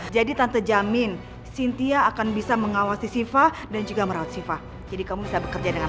jadi tante jamin sinti akan bisa mengawasi siva dan juga merawat siva jadi kamu bisa bekerja dengan